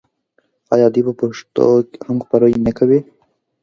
آیا دوی په پښتو هم خپرونې نه کوي؟